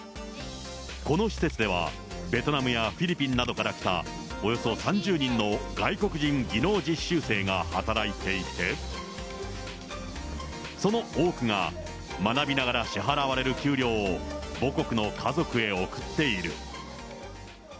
この施設ではベトナムやフィリピンなどから来たおよそ３０人の外国人技能実習生が働いていて、その多くが学びながら支払われる給料を母国の家族へ送っている。